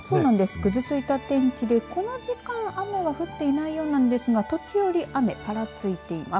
ぐずついた天気でこの時間雨は降っていないようなんですが時折、雨ぱらついています。